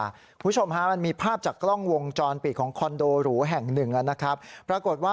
คุณผู้ชมมีภาพจากกล้องวงจรปิดของคอนโดหรูแห่งหนึ่ง